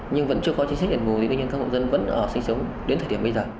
nhưng vẫn chưa có chính sách đền vù thì đương nhiên các hộ dân vẫn ở sinh sống đến thời điểm bây giờ